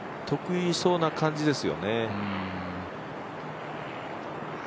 得意そうな感じですよね。